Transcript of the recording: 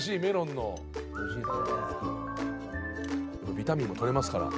ビタミンもとれますから。